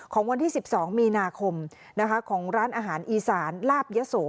ของวันที่๑๒มีนาคมของร้านอาหารอีสานลาบยะโส